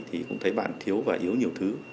thì cũng thấy bạn thiếu và yếu nhiều thứ